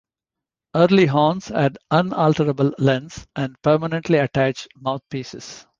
Early horns had unalterable lengths and permanently attached mouthpieces.